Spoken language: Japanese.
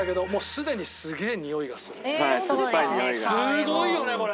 すごいよねこれ。